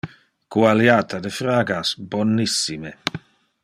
Cualiata de fragas, bonissime!